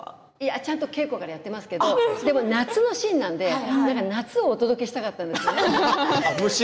ちゃんと稽古からやっているんですけど夏のシーンなので夏をお届けしたかったんです。